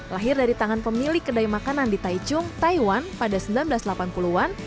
lahir dari tangan pemilik kedai makanan di taichung taiwan pada seribu sembilan ratus delapan puluh an